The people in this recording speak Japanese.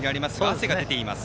汗が出ています。